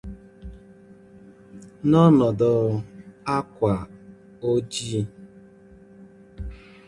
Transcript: n'ọnọdụ ákwà oji.